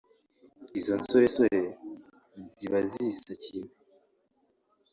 izo nsoresore ziba zisakiwe